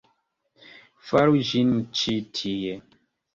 Faru ĝin ĉi tie!